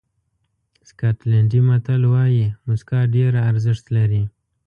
سکاټلېنډي متل وایي موسکا ډېره ارزښت لري.